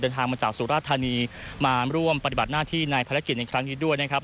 ทางมาจากสุราธานีมาร่วมปฏิบัติหน้าที่ในภารกิจในครั้งนี้ด้วยนะครับ